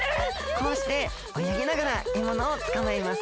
こうしておよぎながらえものをつかまえます。